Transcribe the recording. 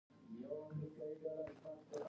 نوې موخه تمرکز زیاتوي